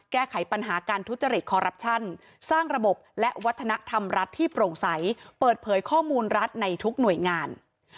แก้ไขปัญหาการทุจริตคอรัปชั่นสร้างระบบและวัฒนธรรมรัฐที่โปร่งใสเปิดเผยข้อมูลรัฐในทุกหน่วยงาน